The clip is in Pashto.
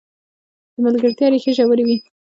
د ملګرتیا ریښې ژورې وي.